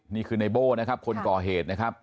นี่คือในโบ้นะครับคนก่อเหตุนะครับ